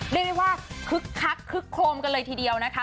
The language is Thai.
เรียกได้ว่าคึกคักคึกโคมกันเลยทีเดียวนะคะ